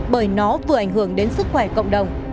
bởi nó vừa ảnh hưởng đến sức khỏe cộng đồng